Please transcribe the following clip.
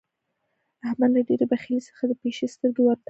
احمد له ډېرې بخيلۍ څخه د پيشي سترګې ور تړي.